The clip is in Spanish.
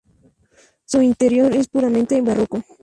Su interior es puramente barroco.